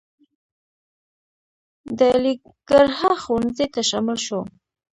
د علیګړهه ښوونځي ته شامل شو.